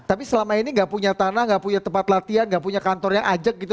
tapi selama ini nggak punya tanah nggak punya tempat latihan nggak punya kantor yang ajak gitu